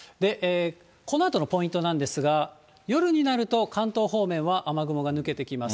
このあとのポイントなんですが、夜になると、関東方面は雨雲が抜けてきます。